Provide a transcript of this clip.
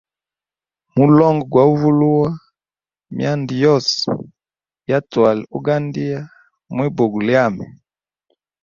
Mulongo gwa uvulua myanda yose ya twali ugandia mwi bugo lyami.